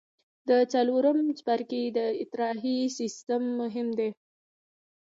د څلورم څپرکي د اطراحي سیستم مهم دی.